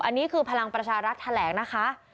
อันนี้คือพลังประชารัฐแถลงนะคะ